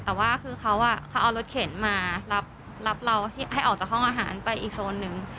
แต่ว่าคือเขาเอารถเข็นมารับเราให้ออกจากห้องอาหารไปอีกโซนหนึ่ง